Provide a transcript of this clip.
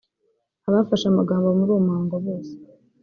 Abafashe amagambo muri uwo muhango bose